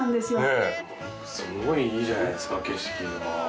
すごいいいじゃないですか景色が。